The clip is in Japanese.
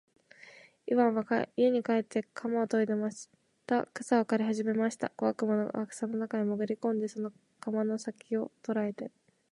イワンは家へ帰って鎌をといでまた草を刈りはじめました。小悪魔は草の中へもぐり込んで、その鎌の先きを捉えて、